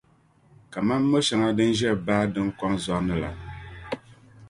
kaman mo’ shɛŋa din ʒe baa din kom zɔri ni la.